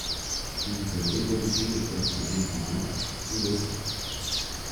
Il peut évoluer au poste d'ailier gauche ou de centre.